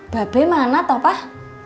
babe mana toh pak